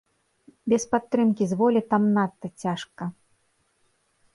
Без падтрымкі з волі там надта цяжка.